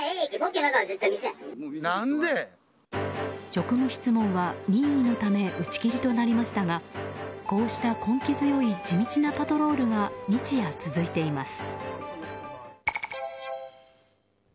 職務質問は任意のため打ち切りとなりましたがこうした根気強い地道なパトロールが日夜、続いています。